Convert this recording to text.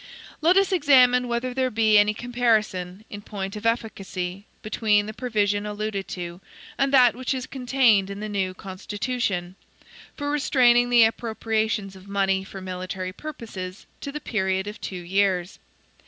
Let us examine whether there be any comparison, in point of efficacy, between the provision alluded to and that which is contained in the new Constitution, for restraining the appropriations of money for military purposes to the period of two years.